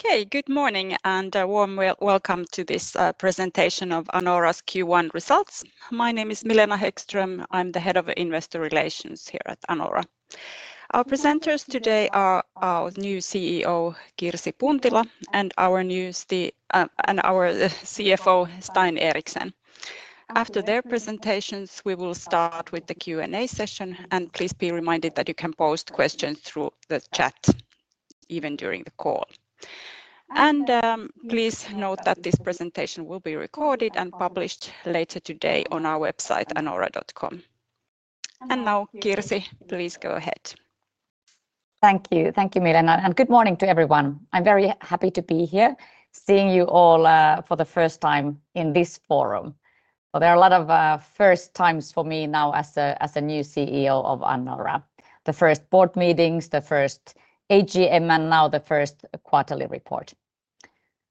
Okay, good morning and a warm welcome to this presentation of Anora's Q1 Results. My name is Milena Häggström. I'm the Head of Investor Relations here at Anora. Our presenters today are our new CEO, Kirsi Puntila, and our new CFO, Stein Eriksen. After their presentations, we will start with the Q&A session, and please be reminded that you can post questions through the chat even during the call. Please note that this presentation will be recorded and published later today on our website, anora.com. Now, Kirsi, please go ahead. Thank you. Thank you, Milena, and good morning to everyone. I'm very happy to be here seeing you all for the first time in this forum. There are a lot of first times for me now as a new CEO of Anora. The first Board Meetings, the first AGM, and now the first Quarterly Report.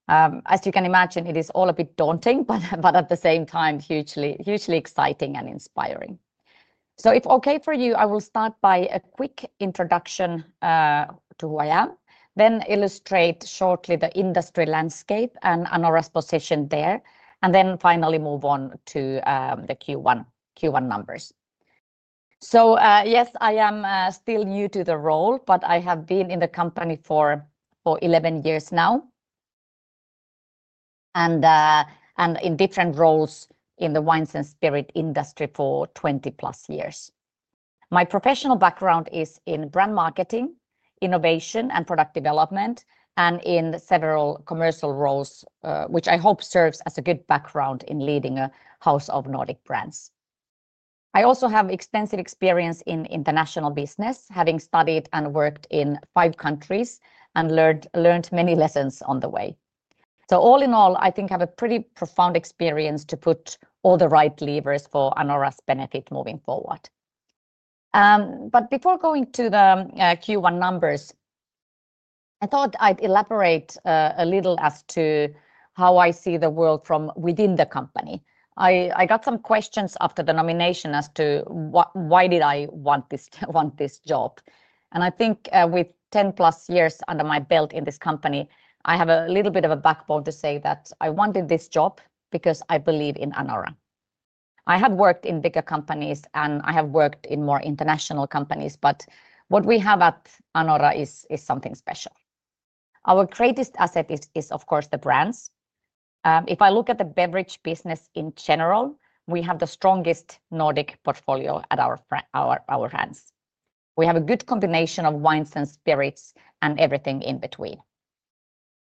As you can imagine, it is all a bit daunting, but at the same time, hugely exciting and inspiring. If okay for you, I will start by a quick introduction to who I am, then illustrate shortly the industry landscape and Anora's position there, and then finally move on to the Q1 numbers. Yes, I am still new to the role, but I have been in the company for 11 years now and in different roles in the wines and spirit industry for 20 plus years. My professional background is in Brand Marketing, Innovation, and Product Development, and in several commercial roles, which I hope serves as a good background in leading a House of Nordic Brands. I also have extensive experience in International Business, having studied and worked in five countries and learned many lessons on the way. All in all, I think I have a pretty profound experience to put all the right levers for Anora's benefit moving forward. Before going to the Q1 Numbers, I thought I'd elaborate a little as to how I see the world from within the company. I got some questions after the nomination as to why did I want this job. I think with 10 plus years under my belt in this company, I have a little bit of a backbone to say that I wanted this job because I believe in Anora. I have worked in bigger companies and I have worked in more international companies, but what we have at Anora is something special. Our greatest asset is, of course, the brands. If I look at the beverage business in general, we have the strongest Nordic Portfolio at our hands. We have a good combination of wines and spirits and everything in between.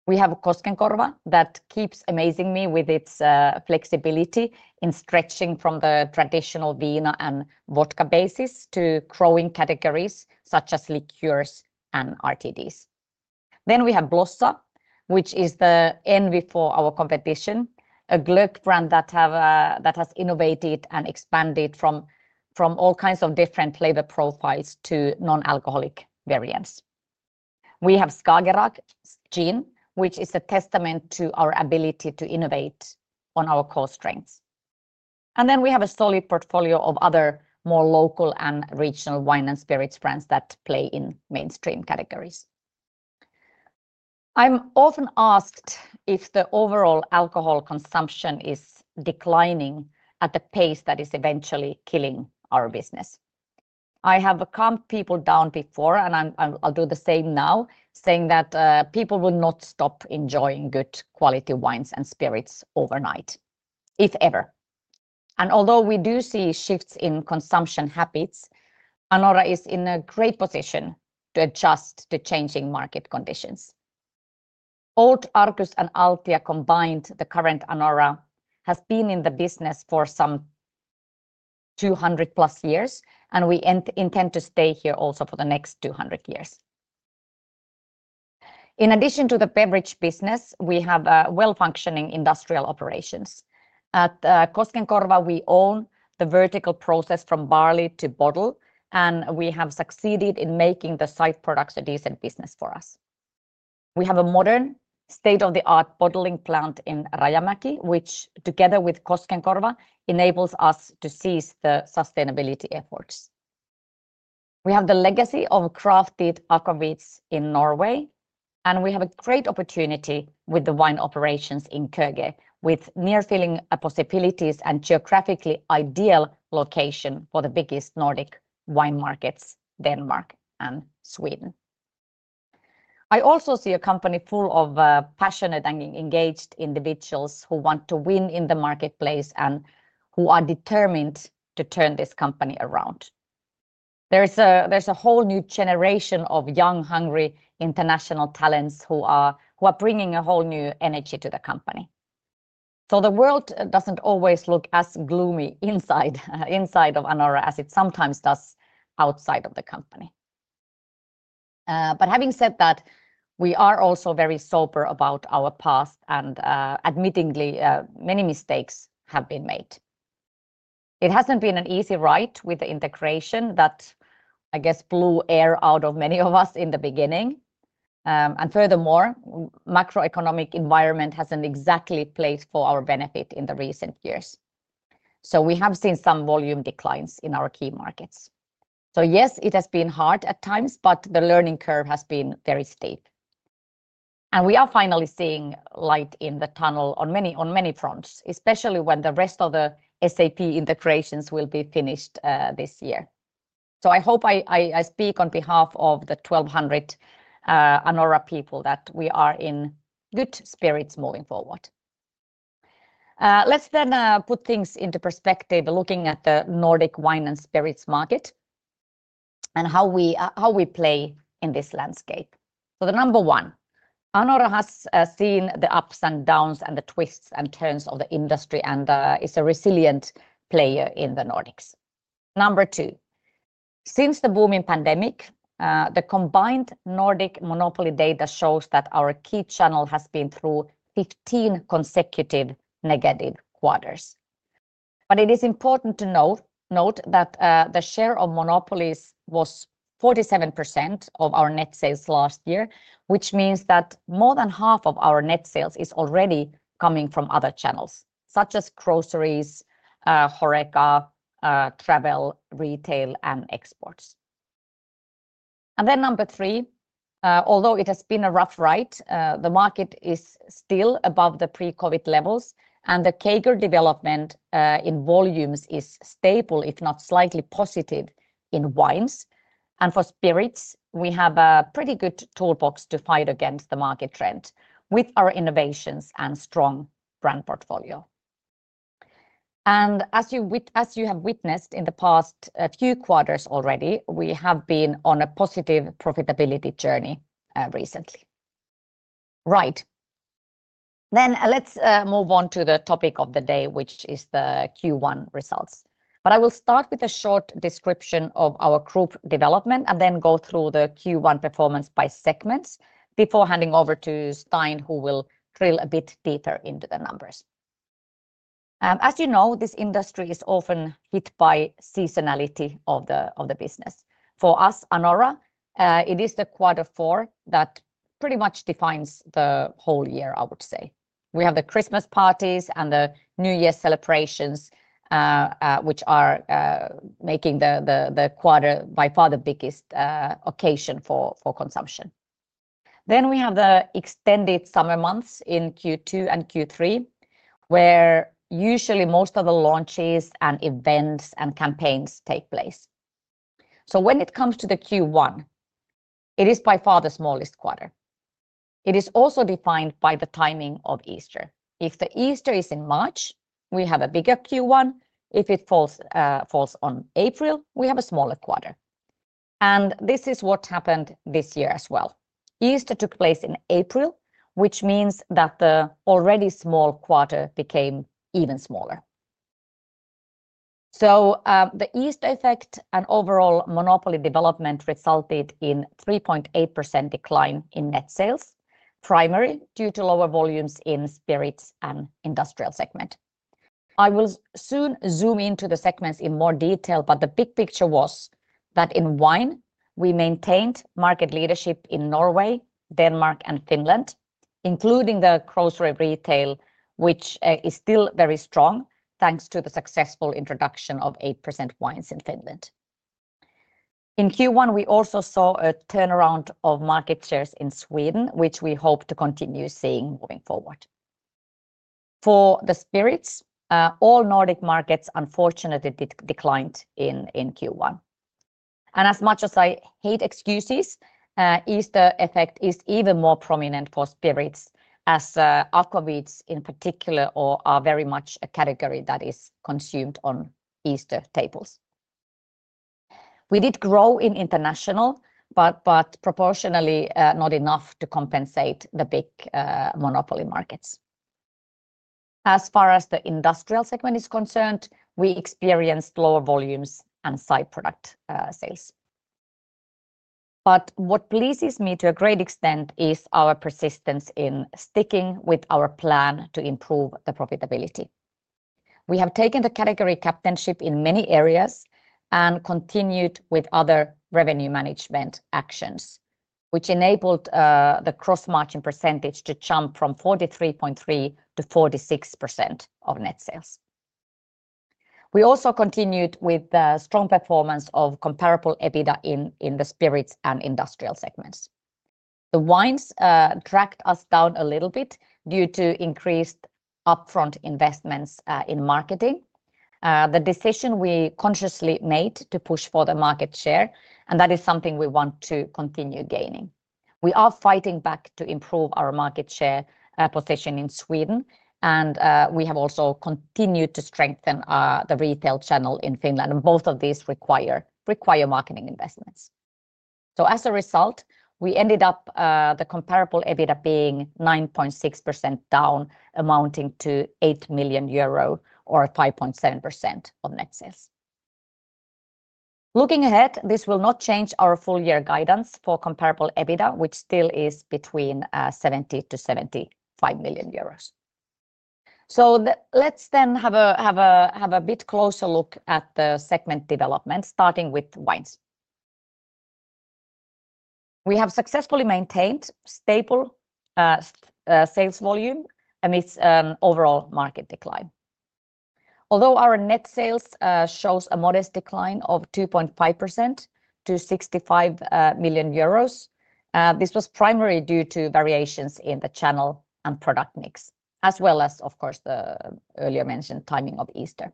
We have Koskenkorva that keeps amazing me with its flexibility in stretching from the traditional viina and vodka basis to growing categories such as liqueurs and RTDs. We have Blossa, which is the envy for our competition, a glögg brand that has innovated and expanded from all kinds of different flavor profiles to non-alcoholic variants. We have Skagerrak Gin, which is a testament to our ability to innovate on our core strengths. We have a solid portfolio of other more local and regional wine and spirits brands that play in mainstream categories. I'm often asked if the overall alcohol consumption is declining at the pace that is eventually killing our business. I have calmed people down before, and I'll do the same now, saying that people will not stop enjoying good quality wines and spirits overnight, if ever. Although we do see shifts in consumption habits, Anora is in a great position to adjust to changing market conditions. Old Arcus and Altia combined, the current Anora, has been in the business for some 200 plus years, and we intend to stay here also for the next 200 years. In addition to the beverage business, we have well-functioning Industrial Operations. At Koskenkorva, we own the Vertical Process from Barley to Bottle, and we have succeeded in making the side products a decent business for us. We have a modern state-of-the-art bottling plant in Rajamäki, which, together with Koskenkorva, enables us to seize the Sustainability Efforts. We have the legacy of crafted agavits in Norway, and we have a great opportunity with the wine operations in Køge, with Near-Filling Possibilities and geographically ideal location for the biggest Nordic Wine Markets, Denmark and Sweden. I also see a company full of passionate and engaged individuals who want to win in the marketplace and who are determined to turn this company around. There is a whole new generation of young, hungry international talents who are bringing a whole new energy to the company. The world does not always look as gloomy inside of Anora as it sometimes does outside of the company. But having said that, we are also very sober about our past, and admittedly, many mistakes have been made. It has not been an easy ride with the Integration that, I guess, blew air out of many of us in the beginning. Furthermore, the macroeconomic environment has not exactly played for our benefit in the recent years. We have seen some volume declines in our key markets. Yes, it has been hard at times, but the learning curve has been very steep. We are finally seeing light in the tunnel on many fronts, especially when the rest of the SAP Integrations will be finished this year. I hope I speak on behalf of the 1,200 Anora people that we are in good spirits moving forward. Let's then put things into perspective looking at the Nordic Wine and Spirits market and how we play in this landscape. The Number One, Anora has seen the ups and downs and the twists and turns of the industry and is a resilient player in the Nordics. Number Two, since the booming pandemic, the combined Nordic Monopoly Data shows that our key channel has been through 15 consecutive negative quarters. It is important to note that the share of Monopolies was 47% of our net sales last year, which means that more than half of our net sales is already coming from other channels, such as groceries, Horeca, Travel, Retail, and Exports. Number three, although it has been a rough ride, the market is still above the pre-COVID levels, and the Køge Development in volumes is stable, if not slightly positive in wines. For Spirits, we have a pretty good toolbox to fight against the market trend with our innovations and strong brand portfolio. As you have witnessed in the past few quarters already, we have been on a positive Profitability Journey recently. Right. Let us move on to the topic of the day, which is the Q1 Results. I will start with a short description of our Group Development and then go through the Q1 Performance by Segments before handing over to Stein, who will drill a bit deeper into the numbers. As you know, this industry is often hit by Seasonality of the Business. For us, Anora, it is the Quarter Four that pretty much defines the whole year, I would say. We have the Christmas Parties and the New Year's Celebrations, which are making the quarter by far the biggest occasion for consumption. We have the extended Summer Months in Q2 and Q3, where usually most of the launches and events and campaigns take place. When it comes to the Q1, it is by far the smallest quarter. It is also defined by the timing of Easter. If the Easter is in March, we have a bigger Q1. If it falls on April, we have a smaller quarter. This is what happened this year as well. Easter took place in April, which means that the already small quarter became even smaller. The Easter Effect and overall monopoly development resulted in a 3.8% decline in net sales, primarily due to lower volumes in spirits and the Industrial Segment. I will soon zoom into the segments in more detail, but the big picture was that in wine, we maintained Market Leadership in Norway, Denmark, and Finland, including the Grocery Retail, which is still very strong thanks to the successful introduction of 8% Wines in Finland. In Q1, we also saw a turnaround of Market Shares in Sweden, which we hope to continue seeing moving forward. For the Spirits, all Nordic Markets unfortunately declined in Q1. As much as I hate excuses, the Easter Effect is even more prominent for Spirits as agavits in particular are very much a category that is consumed on Easter Tables. We did grow in International, but proportionally not enough to compensate the big Monopoly Markets. As far as the Industrial Segment is concerned, we experienced lower volumes and Side Product Sales. What pleases me to a great extent is our persistence in sticking with our plan to improve the Profitability. We have taken the Category Captainship in many areas and continued with other Revenue Management Actions, which enabled the Cross-Margin percentage to jump from 43.3% to 46% of Net Sales. We also continued with the strong performance of comparable EBITDA in the Spirits and Industrial Segments. The Wines dragged us down a little bit due to increased upfront investments in Marketing. The decision we consciously made to push for the Market Share, and that is something we want to continue gaining. We are fighting back to improve our Market Share Position in Sweden, and we have also continued to strengthen the Retail Channel in Finland. Both of these require Marketing Investments. As a result, we ended up with the comparable EBITDA being 9.6% down, amounting to 8 million euro or 5.7% of Net Sales. Looking ahead, this will not change our Full Year Guidance for comparable EBITDA, which still is between 70-75 million euros. Let's then have a bit closer look at the Segment Development, starting with wines. We have successfully maintained stable Sales Volume amidst an overall Market Decline. Although our Net Sales show a modest decline of 2.5% to 65 million euros, this was primarily due to variations in the Channel and Product Mix, as well as, of course, the earlier mentioned timing of Easter.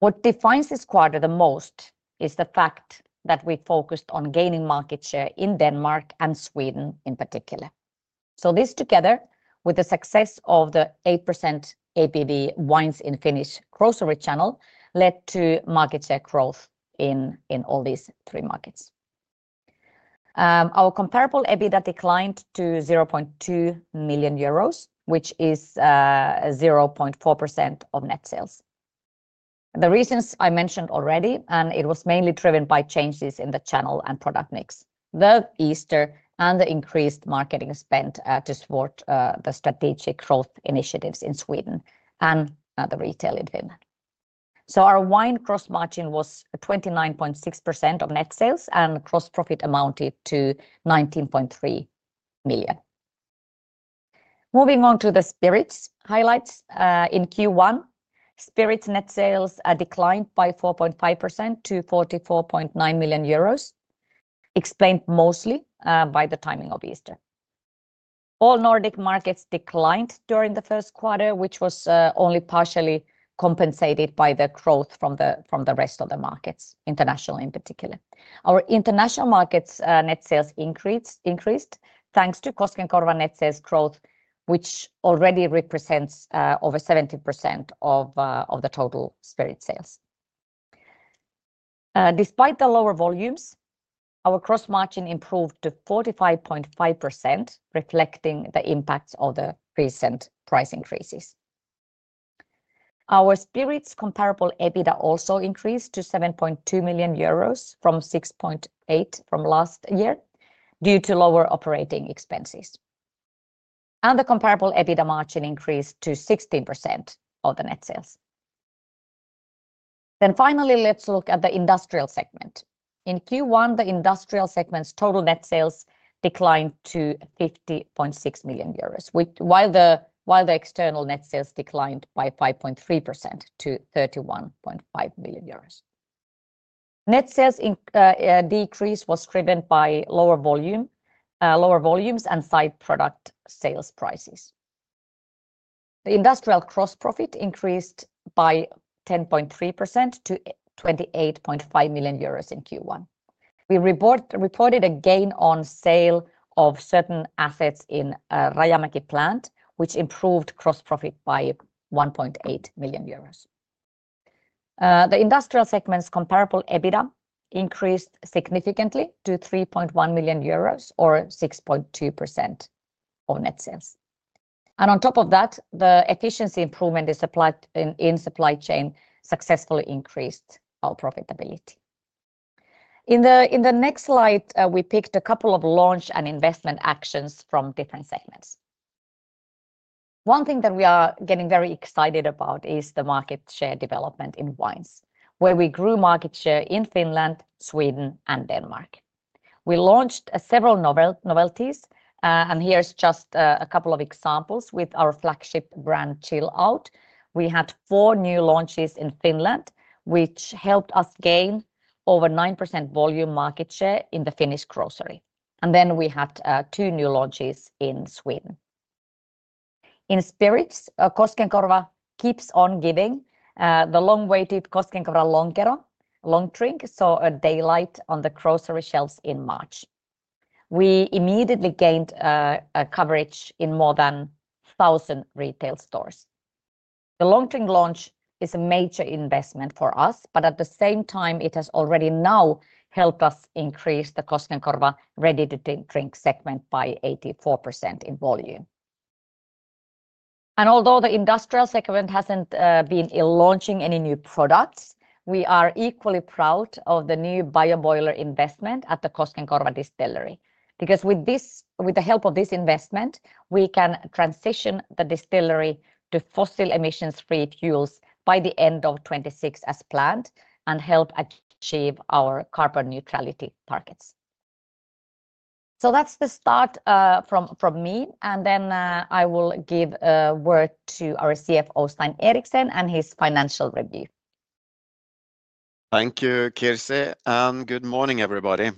What defines this quarter the most is the fact that we focused on gaining Market Share in Denmark and Sweden in particular. This together with the success of the 8% ABV Wines in the Finnish Grocery Channel led to Market Share Growth in all these three markets. Our comparable EBITDA declined to 0.2 million euros, which is 0.4% of Net Sales. The reasons I mentioned already, and it was mainly driven by changes in the Channel and Product Mix, the Easter and the increased Marketing Spend to support the Strategic Growth Initiatives in Sweden and the Retail in Finland. Our wine Cross-Margin was 29.6% of Net Sales and Gross Profit amounted to 19.3 million. Moving on to the Spirits Highlights in Q1, Spirits Net Sales declined by 4.5% to 44.9 million euros, explained mostly by the timing of Easter. All Nordic Markets declined during the First Quarter, which was only partially compensated by the growth from the rest of the markets, International in particular. Our International Markets Net Sales increased thanks to Koskenkorva Net Sales Growth, which already represents over 70% of the total Spirit Sales. Despite the lower volumes, our Cross-Margin improved to 45.5%, reflecting the impacts of the recent Price Increases. Our Spirits Comparable EBITDA also increased to 7.2 million euros from 6.8 million from last year due to lower Operating Expenses. The Comparable EBITDA Margin increased to 16% of the Net Sales. Finally, let's look at the Industrial Segment. In Q1, the Industrial Segment's Total Net Sales declined to 50.6 million euros, while the External Net Sales declined by 5.3% to 31.5 million euros. Net Sales Decrease was driven by lower volumes and Side Product Sales Prices. The Industrial Gross Profit increased by 10.3% to 28.5 million euros in Q1. We reported a Gain on Sale of Certain Assets in Rajamäki Plant, which improved Gross Profit by 1.8 million euros. The Industrial Segment's Comparable EBITDA increased significantly to 3.1 million euros or 6.2% of Net Sales. On top of that, the Efficiency Improvement in Supply Chain successfully increased our Profitability. In the next slide, we picked a couple of Launch and Investment Actions from different segments. One thing that we are getting very excited about is the Market Share Development in Wines, where we grew Market Share in Finland, Sweden, and Denmark. We launched several novelties, and here is just a couple of examples with our flagship brand Chill Out. We had four new launches in Finland, which helped us gain over 9% Volume Market Share in the Finnish Grocery. We had two new launches in Sweden. In spirits, Koskenkorva keeps on giving. The Long-Waited Koskenkorva Longdrink saw daylight on the Grocery Shelves in March. We immediately gained coverage in more than 1,000 Retail Stores. The Longdrink launch is a major investment for us, but at the same time, it has already now helped us increase the Koskenkorva Ready-to-Drink Segment by 84% in Volume. Although the industrial segment has not been launching any new products, we are equally proud of the new Bioboiler Investment at the Koskenkorva Distillery. Because with the help of this investment, we can transition the distillery to Fossil Emissions-Free Fuels by the End of 2026 as planned and help achieve our Carbon Neutrality Targets. That is the start from me. I will give a word to our CFO, Stein Eriksen, and his Financial Review. Thank you, Kirsi. Good morning, everybody.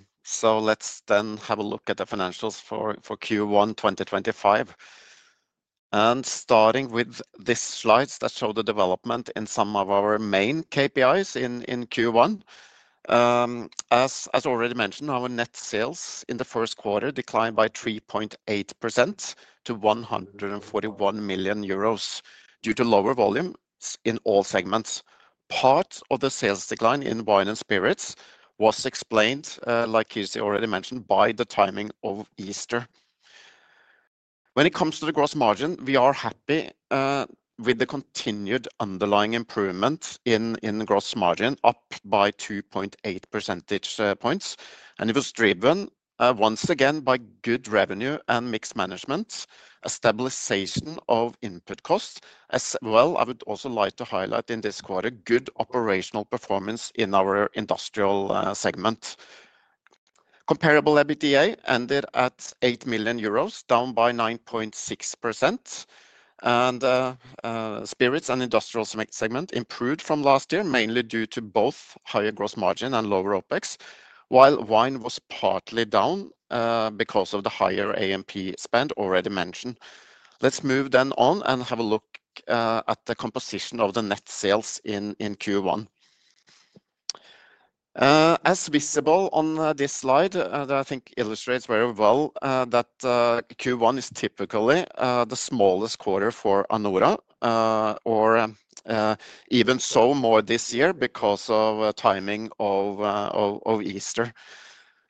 Let us then have a look at the Financials for Q1 2025. Starting with these slides that show the development in some of our main KPIs in Q1. As already mentioned, our net sales in the First Quarter declined by 3.8% to 141 million euros due to lower volumes in all segments. Part of the Sales Decline in Wine and Spirits was explained, like Kirsi already mentioned, by the timing of Easter. When it comes to the Gross Margin, we are happy with the continued underlying improvement in Gross Margin, up by 2.8 percentage points. It was driven once again by good Revenue and Mix Management, establishing of Input Costs. I would also like to highlight in this quarter good Operational Performance in our Industrial Segment. Comparable EBITDA ended at 8 million euros, down by 9.6%. Spirits and Industrial Segment improved from last year, mainly due to both higher gross margin and lower OPEX, while Wine was partly down because of the higher AMP Spend already mentioned. Let's move then on and have a look at the composition of the Net Sales in Q1. As visible on this slide, I think it illustrates very well that Q1 is typically the smallest quarter for Anora, or even so more this year because of timing of Easter.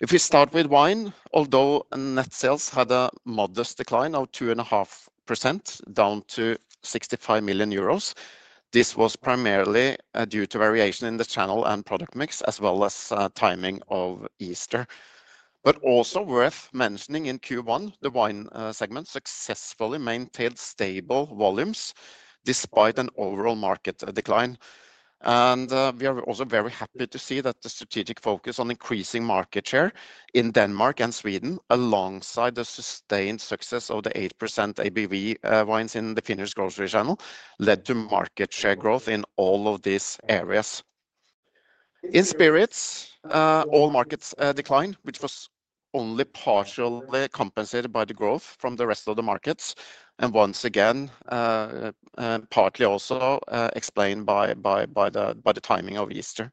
If we start with Wine, although Net Sales had a modest decline of 2.5% down to 65 million euros, this was primarily due to variation in the Channel and Product Mix, as well as timing of Easter. It is also worth mentioning in Q1, the Wine Segment successfully maintained Stable Volumes despite an overall Market Decline. We are also very happy to see that the Strategic Focus on increasing Market Share in Denmark and Sweden, alongside the sustained success of the 8% ABV Wines in the Finnish Grocery Channel, led to Market Share Growth in all of these areas. In Spirits, all Markets declined, which was only partially compensated by the growth from the rest of the markets, and once again, partly also explained by the timing of Easter.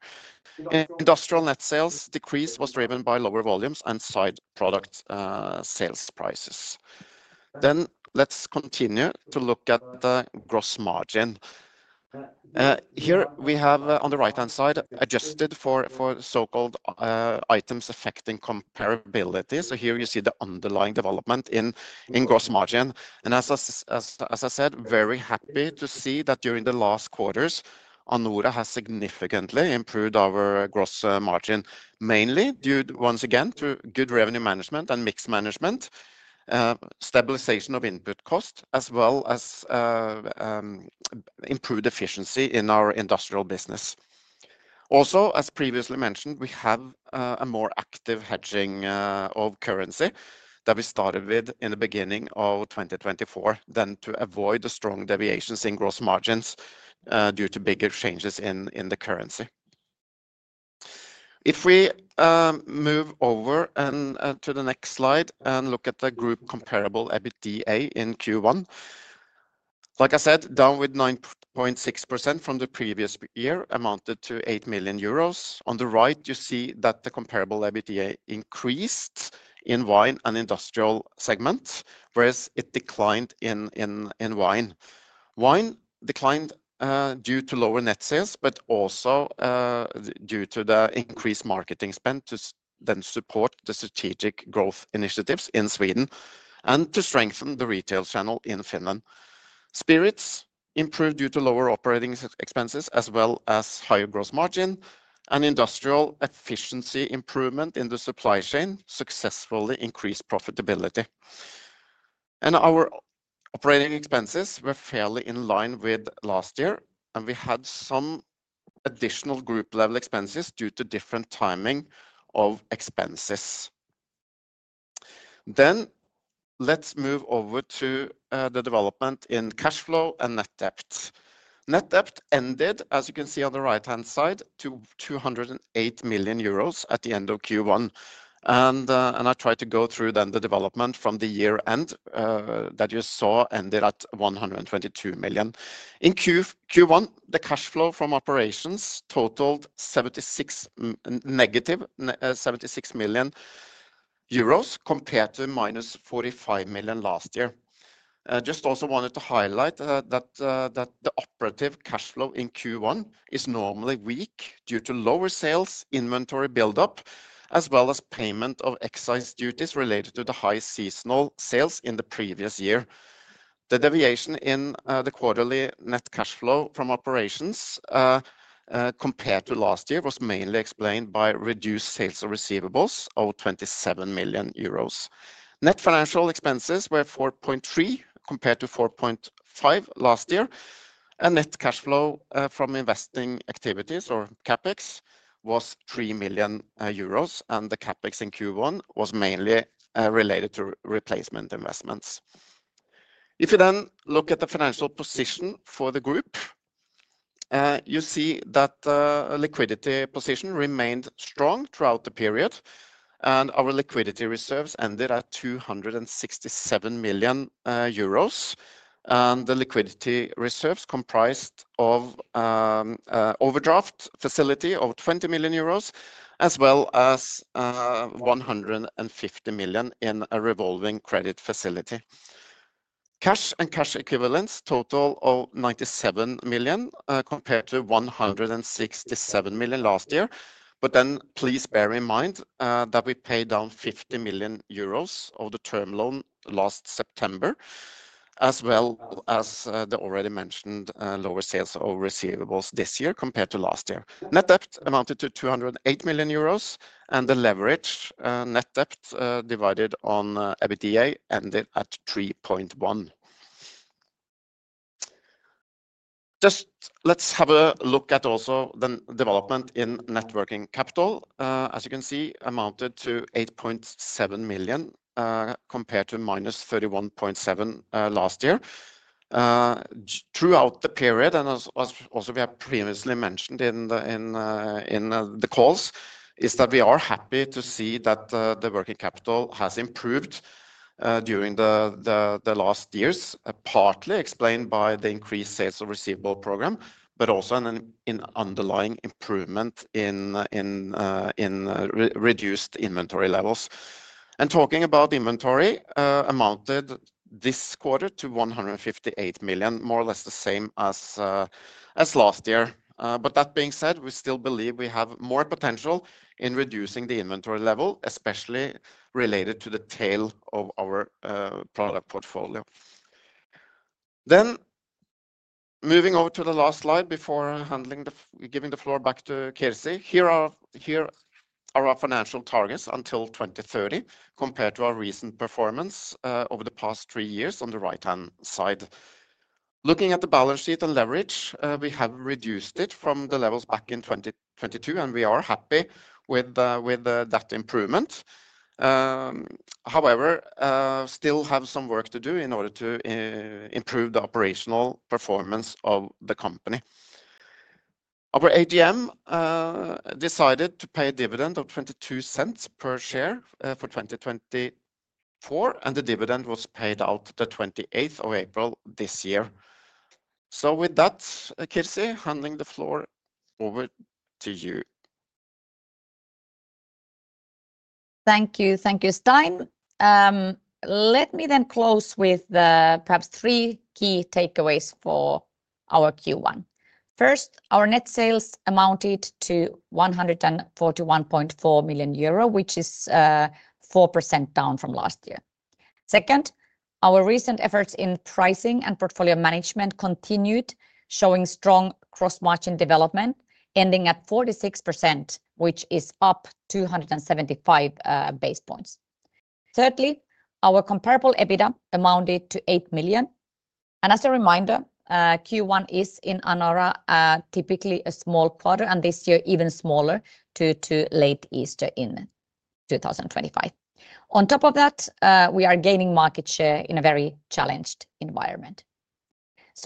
Industrial Net Sales Decrease was driven by lower volumes and Side Product Sales Prices. Let's continue to look at the Gross margin. Here we have on the right-hand side adjusted for so-called Items Affecting Comparability. Here you see the Underlying Development in Gross Margin. As I said, very happy to see that during the last quarters, Anora has significantly improved our Gross Margin, mainly due once again to good Revenue Management and Mix Management, Stabilization of Input Costs, as well as improved Efficiency in our Industrial Business. Also, as previously mentioned, we have a more active Hedging of Currency that we started with in the beginning of 2024, to avoid the strong Deviations in Gross Margins due to bigger changes in the currency. If we move over to the next slide and look at the Group Comparable EBITDA in Q1, like I said, down with 9.6% from the previous year, amounted to 8 million euros. On the right, you see that the Comparable EBITDA increased in wine and Industrial Segment, whereas it declined in Wine. Wine declined due to Lower Net Sales, but also due to the increased Marketing Spend to then support the Strategic Growth Initiatives in Sweden and to strengthen the Retail Channel in Finland. Spirits improved due to Lower Operating Expenses, as well as Higher Gross Margin, and Industrial Efficiency Improvement in the Supply Chain successfully increased Profitability. Our Operating Expenses were fairly in line with last year, and we had some additional Group Level Expenses due to different Timing of Expenses. Let's move over to the Development in Cash Flow and Net Debt. Net Debt ended, as you can see on the right-hand side, to 208 million euros at the End of Q1. I tried to go through then the Development from the Year End that you saw ended at 122 million. In Q1, the Cash Flow from Operations totaled negative 76 million euros compared to negative 45 million last year. I just also wanted to highlight that the Operative Cash Flow in Q1 is normally weak due to Lower Sales, Inventory Buildup, as well as Payment of Excise Duties related to the high Seasonal Sales in the previous year. The Deviation in the Quarterly Net Cash Flow from Operations compared to last year was mainly explained by Reduced Sales of Receivables of 27 million euros. Net Financial Expenses were 4.3 million compared to 4.5 million last year. Net Cash Flow from Investing Activities or CapEx was 3 million euros, and the CapEx in Q1 was mainly related to Replacement Investments. If you then look at the Financial Position for the group, you see that the Liquidity Position remained strong throughout the period, and our Liquidity Reserves ended at 267 million euros. The Liquidity Reserves comprised of an Overdraft Facility of 20 million euros, as well as 150 million in a Revolving Credit Facility. Cash and Cash Equivalents totaled 97 million compared to 167 million last year. Please bear in mind that we paid down 50 million euros of the Term Loan last September, as well as the already mentioned Lower Sales of Receivables this year compared to last year. Net Debt amounted to 208 million euros, and the Leverage Net Debt divided on EBITDA ended at 3.1. Just let's have a look at also the Development in Working Capital. As you can see, amounted to 8.7 million compared to minus 31.7 million last year. Throughout the period, and as also we have previously mentioned in the calls, is that we are happy to see that the Working Capital has improved during the last years, partly explained by the Increased Sales of Receivable Program, but also an Underlying Improvement in Reduced Inventory Levels. Talking about Inventory, amounted this quarter to 158 million, more or less the same as last year. That being said, we still believe we have more potential in reducing the inventory level, especially related to the Tail of Our Product Portfolio. Moving over to the last slide before giving the floor back to Kirsi. Here are our Financial Targets until 2030 compared to our Recent Performance over the past three years on the right-hand side. Looking at the Balance Sheet and Leverage, we have reduced it from the levels back in 2022, and we are happy with that improvement. However, still have some work to do in order to improve the Operational Performance of the company. Our AGM decided to pay a dividend of 0.22 per share for 2024, and the dividend was paid out the 28th of April this year. With that, Kirsi, handing the floor over to you. Thank you. Thank you, Stein. Let me then close with perhaps three key takeaways for our Q1. First, our Net Sales amounted to 141.4 million euro, which is 4% down from last year. Second, our recent efforts in Pricing and Portfolio Management continued, showing strong Cross-Margin Development, ending at 46%, which is up 275 basis points. Thirdly, our Comparable EBITDA amounted to 8 million. As a reminder, Q1 is in Anora typically a small quarter, and this year even smaller due to late Easter in 2025. On top of that, we are gaining Market Share in a very challenged environment.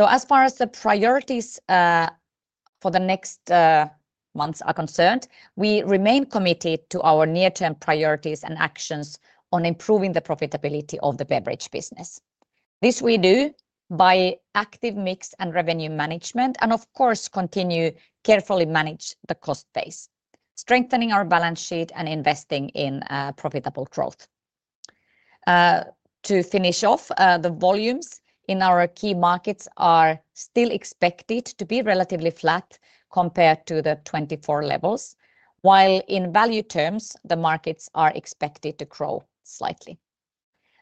As far as the priorities for the next months are concerned, we remain committed to our Near-Term Priorities and Actions on improving the Profitability of the Beverage Business. This we do by Active Mix and Revenue Management, and of course, continue carefully managing the Cost Base, strengthening our Balance Sheet and investing in Profitable Growth. To finish off, the volumes in our key markets are still expected to be relatively flat compared to the 2024 levels, while in value terms, the markets are expected to grow slightly.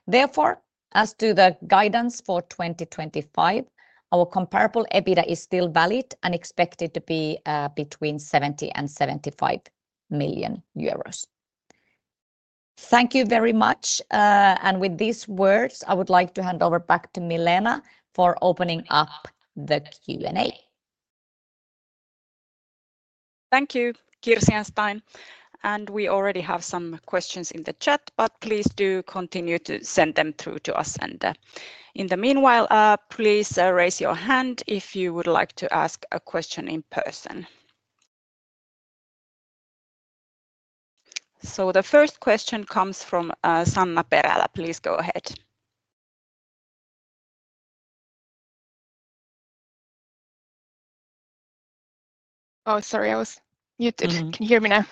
Therefore, as to the Guidance for 2025, our Comparable EBITDA is still valid and expected to be between 70 million-75 million euros. Thank you very much. With these words, I would like to hand over back to Milena for opening up the Q&A. Thank you, Kirsi and Stein. We already have some questions in the chat, but please do continue to send them through to us. In the meanwhile, please raise your hand if you would like to ask a question in person. The first question comes from Sanna Perälä. Please go ahead. Oh, sorry, I was muted. Can you hear me now?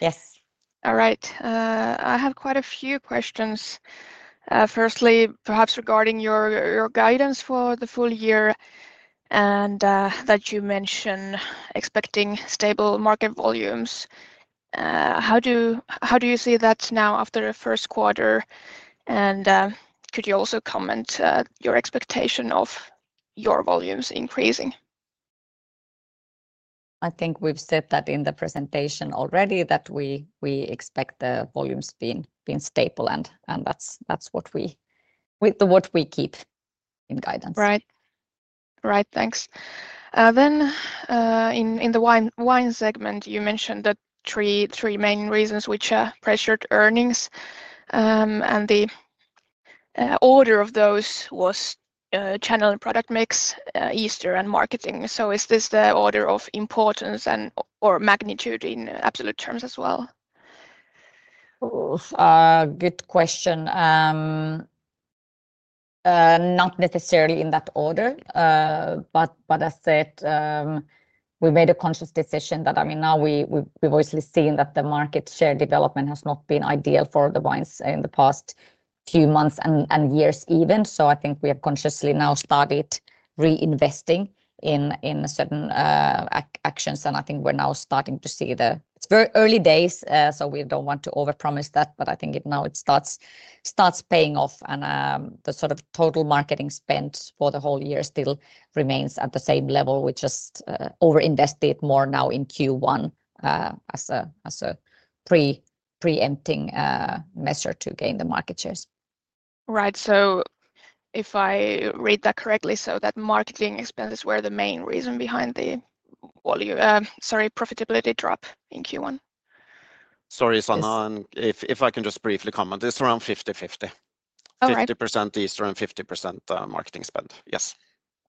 Yes. All right. I have quite a few questions. Firstly, perhaps regarding your Guidance for the Full Year and that you mentioned expecting stable market volumes. How do you see that now after the First Quarter? Could you also comment on your Expectation of your Volumes Increasing? I think we've said that in the Presentation already, that we expect the Volumes being stable, and that's what we keep in Guidance. Right. Right. Thanks. In the Wine Segment, you mentioned the three main reasons which are pressured earnings. The order of those was Channel and Product Mix, Easter, and Marketing. Is this the Order of Importance or Magnitude in Absolute terms as well? Good question. Not necessarily in that order, but as I said, we made a conscious decision that, I mean, now we've obviously seen that the Market Share Development has not been ideal for the Wines in the past few months and years even. I think we have consciously now started Reinvesting in Certain Actions. I think we're now starting to see the early days, so we do not want to overpromise that, but I think now it starts paying off. The sort of Total Marketing Spend for the whole year still remains at the same level. We just overinvested more now in Q1 as a Preempting Measure to gain the Market Shares. Right. If I read that correctly, the Marketing Expenses were the main reason behind the volume, sorry, Profitability drop in Q1. Sorry, Sanna. If I can just briefly comment, it is around 50-50. 50% Easter and 50% marketing spend. Yes.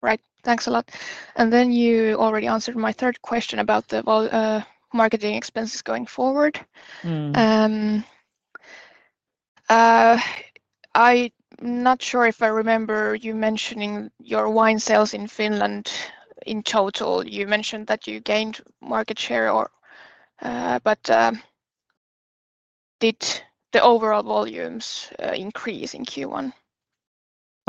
Right. Thanks a lot. You already answered my third question about the Marketing Expenses going forward. I am not sure if I remember you mentioning your Wine Sales in Finland in total. You mentioned that you gained Market Share, but did the overall Volumes increase in Q1?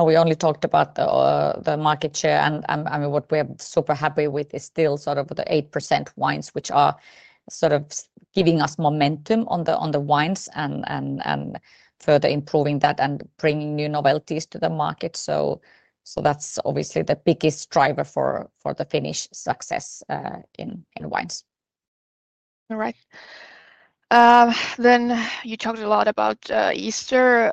We only talked about the Market Share. What we are super happy with is still sort of the 8% wines, which are sort of giving us momentum on the wines and further improving that and bringing new novelties to the market. That's obviously the biggest driver for the Finnish success in wines. All right. You talked a lot about Easter.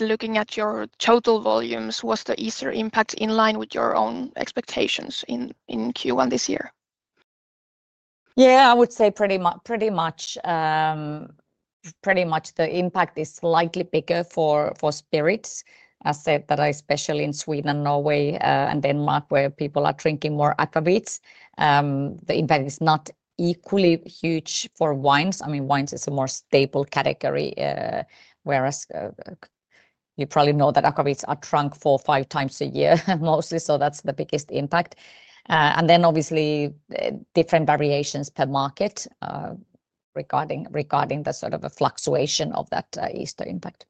Looking at your Total Volumes, was the Easter Impact in line with your own expectations in Q1 this year? Yeah, I would say pretty much the impact is slightly bigger for Spirits. I said that especially in Sweden, Norway, and Denmark, where people are drinking more agavits, the impact is not equally huge for Wines. I mean, Wines is a more stable category, whereas you probably know that agavits are drunk four or five times a year mostly. That's the Biggest Impact. Obviously, there are different variations per market regarding the sort of fluctuation of that Easter Impact.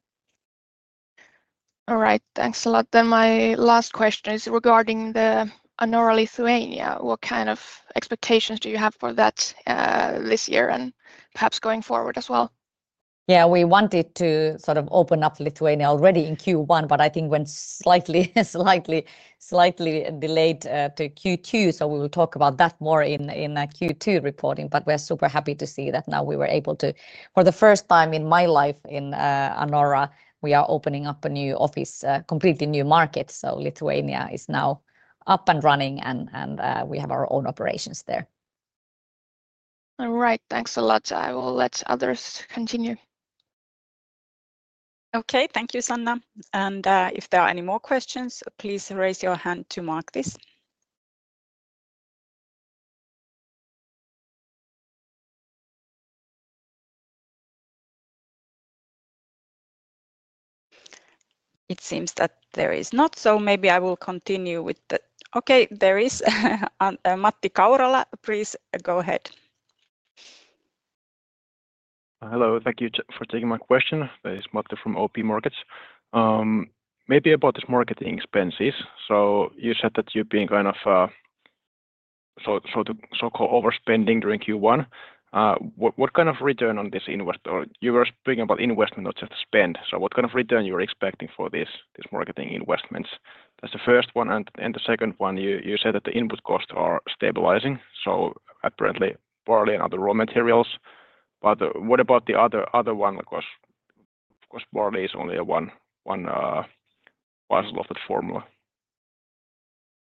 All right. Thanks a lot. My last question is regarding the Anora Lithuania. What kind of expectations do you have for that this year and perhaps going forward as well? Yeah, we wanted to sort of open up Lithuania already in Q1, but I think it went slightly delayed to Q2. We will talk about that more in Q2 Reporting. We are super happy to see that now we were able to, for the first time in my life in Anora, we are opening up a new office, completely New Market. Lithuania is now up and running, and we have our own Operations there. All right. Thanks a lot. I will let others continue. Okay. Thank you, Sanna. If there are any more questions, please raise your hand to mark this. It seems that there is not. Maybe I will continue with the... Okay, there is Matti Kaurola. Please go ahead. Hello. Thank you for taking my question. This is Matti from OP Markets. Maybe about these Marketing Expenses. You said that you've been kind of so-called Overspending during Q1. What kind of Return on this Investment? You were speaking about Investment, not just spend. What kind of return are you expecting for these Marketing Investments? That's the first one. The second one, you said that the Input Costs are stabilizing. Apparently barley and other Raw Materials. What about the other one? Because barley is only one part of the formula.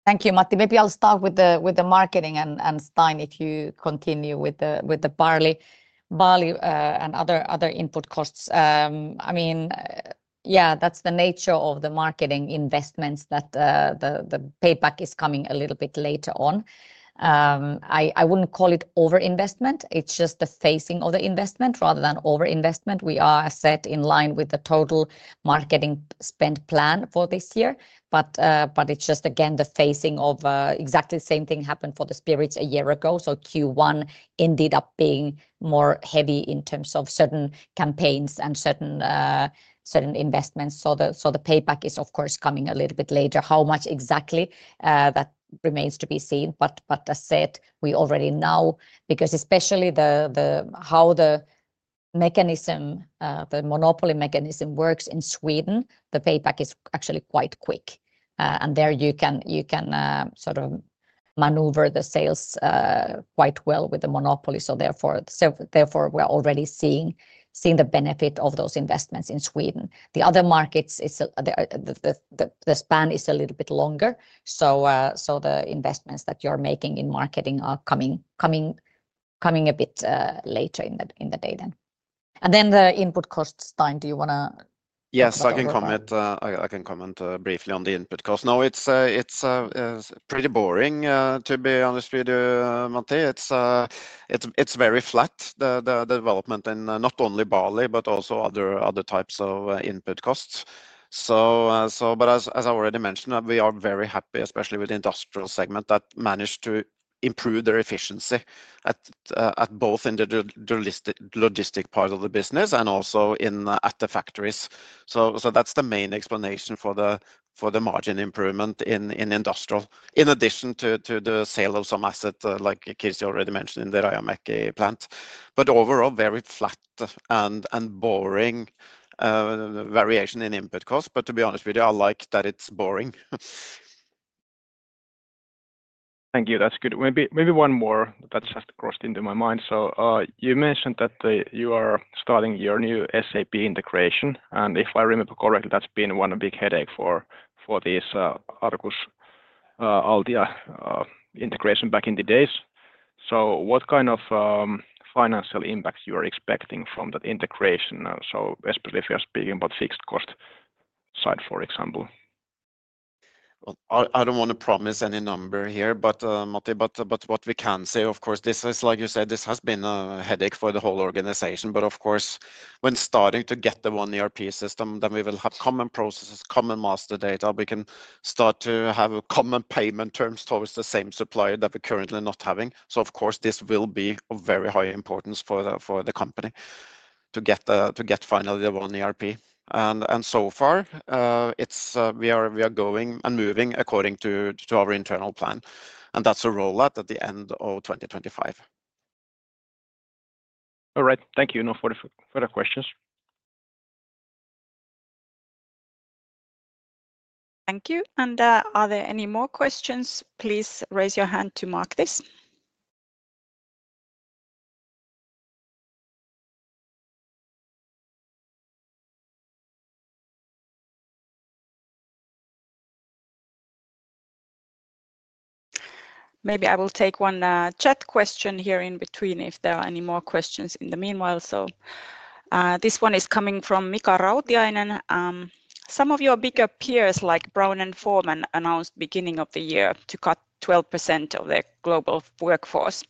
Thank you, Matti. Maybe I'll start with the Marketing and Stein, if you continue with the Barley and other Input Costs. I mean, yeah, that's the nature of the Marketing Investments that the payback is coming a little bit later on. I wouldn't call it Overinvestment. It's just the Phasing of the Investment rather than Overinvestment. We are set in line with the Total Marketing Spend Plan for this year. It is just, again, the Phasing of Exactly the Same Thing happened for the Spirits a year ago. Q1 ended up being more heavy in terms of Certain Campaigns and Certain Investments. The Payback is, of course, coming a little bit later. How much exactly, that remains to be seen. As I said, we already know, because especially how the Monopoly Mechanism works in Sweden, the Payback is actually quite quick. There you can sort of maneuver the sales quite well with the Monopoly. Therefore, we are already seeing the benefit of those Investments in Sweden. In the other Markets, the span is a little bit longer. The Investments that You Are Making in Marketing are coming a bit later in the day then. Then the input costs, Stein, do you want to? Yes, I can comment. I can comment briefly on the Input Costs. No, it's pretty boring to be honest with you, Matti. It's very flat, the Development, and not only Barley, but also other types of Input Costs. As I already mentioned, we are very happy, especially with the Industrial Segment that managed to improve their Efficiency both in the Logistic Part of the Business and also at the Factories. That's the main explanation for the Margin Improvement in Industrial, in addition to the Sale of Some Assets like Kirsi already mentioned in the Rajamäki Plant. Overall, very flat and boring Variation in Input Costs. To be honest with you, I like that it's boring. Thank you. That's good. Maybe one more that just crossed into my mind. You mentioned that you are starting your new SAP Integration. If I remember correctly, that's been one big headache for this Arcus-Altia Integration back in the days. What kind of Financial Impact are you expecting from that Integration? Especially if you're speaking about Fixed Cost Side, for example. I don't want to promise any number here, Matti, but what we can say, of course, like you said, this has been a headache for the whole Organization. Of course, when starting to get the one ERP System, then we will have Common processes, Common Master Data. We can start to have Common Payment Terms towards the same supplier that we're currently not having. This will be of very high importance for the company to get finally the one ERP. So far, we are going and moving according to our Internal Plan. That is a rollout at the end of 2025. All right. Thank you for the questions. Thank you. Are there any more questions? Please raise your hand to mark this. Maybe I will take one chat question here in between if there are any more questions in the meanwhile. This one is coming from Mika Rautiainen. Some of your bigger peers like Brown-Forman announced at the beginning of the year to cut 12% of their Global Workforce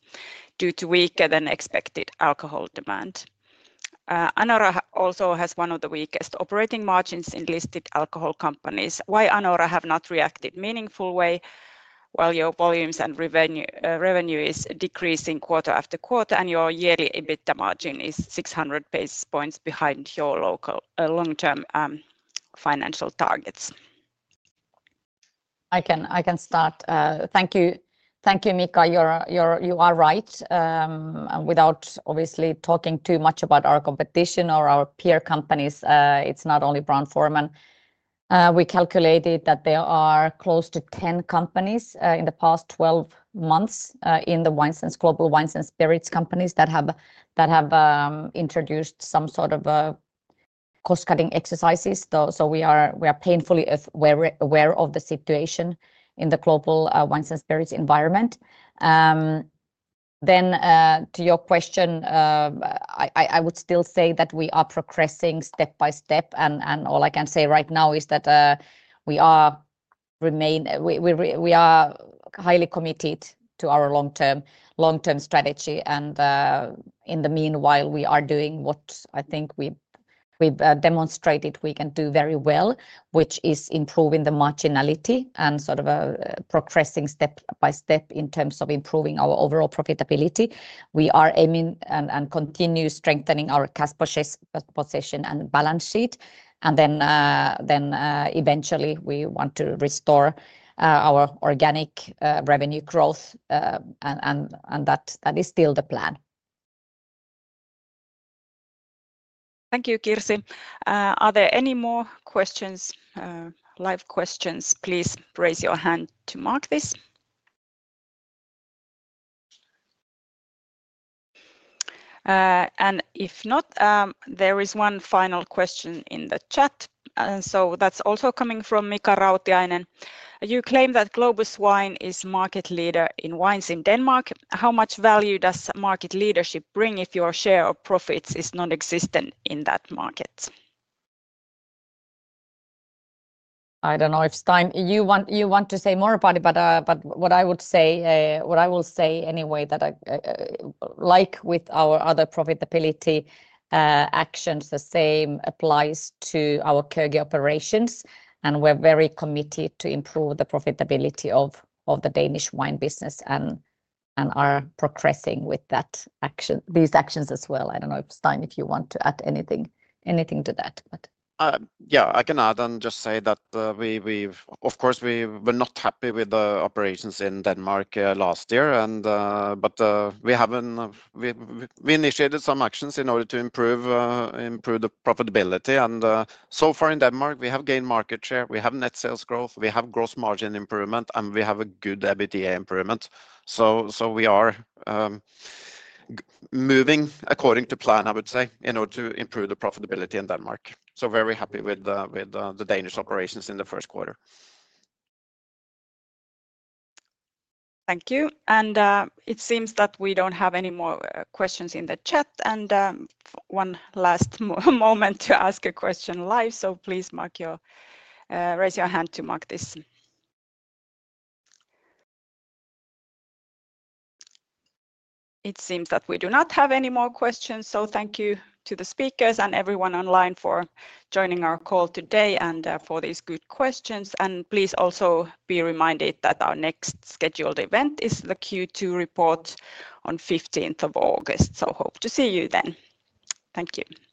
due to weaker than expected Alcohol Demand. Anora also has one of the weakest Operating Margins in listed Alcohol Companies. Why has Anora not reacted meaningfully while your Volumes and Revenue are decreasing Quarter After Quarter and your yearly EBITDA Margin is 600 basis points behind your local Long-Term Financial Targets? I can start. Thank you, Mika. You are right. Without obviously talking too much about our Competition or our Peer Companies, it's not only Brown-Forman. We calculated that there are close to 10 companies in the past 12 months in the Global Wines and Spirits Companies that have introduced some sort of Cost-Cutting Exercises. We are painfully aware of the Situation in the Global Wines and Spirits Environment. To your question, I would still say that we are Progressing Step by Step. All I can say right now is that we are highly committed to our Long-Term Strategy. In the meanwhile, we are doing what I think we've demonstrated we can do very well, which is improving the Marginality and sort of Progressing Step by Step in terms of improving our Overall Profitability. We are aiming and continue strengthening our Cash Position and Balance Sheet. Eventually we want to restore our Organic Revenue Growth. That is still the plan. Thank you, Kirsi. Are there any more questions, live questions? Please raise your hand to mark this. If not, there is one final question in the chat. That is also coming from Mika Rautiainen. You claim that Globus Wine is Market Leader in Wines in Denmark. How much value does Market Leadership bring if your Share of Profits is non-existent in that market? I do not know if Stein, you want to say more about it, but what I would say, what I will say anyway, that I like with our other Profitability Actions, the same applies to our Køge Operations. We are very committed to improve the Profitability of the Danish Wine Business and are progressing with these actions as well. I don't know if Stein, if you want to add anything to that. Yeah, I can add and just say that, of course, we were not happy with the Operations in Denmark last year. We initiated some actions in order to improve the Profitability. So far in Denmark, we have gained Market Share. We have Net Sales Growth. We have Gross Margin Improvement. We have a good EBITDA Improvement. We are moving according to plan, I would say, in order to improve the Profitability in Denmark. Very happy with the Danish Operations in the First Quarter. Thank you. It seems that we don't have any more questions in the chat. One last moment to ask a question live. Please raise your hand to mark this. It seems that we do not have any more questions. Thank you to the speakers and everyone online for joining our call today and for these good questions. Please also be reminded that our next scheduled event is the Q2 Report on 15th of August. Hope to see you then. Thank you.